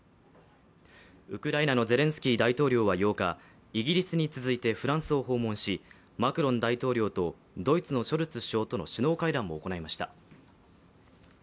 ウクライナのゼレンスキー大統領は８日、イギリスに続いてフランスを訪問し、マクロン大統領とドイツのショルツ首相との首脳会談を行いました。